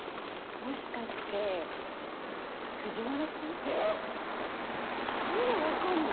もしかして藤原君？えっ⁉何で分かんの？